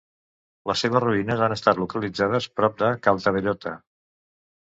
Les seves ruïnes han estat localitzades prop de Caltabellotta.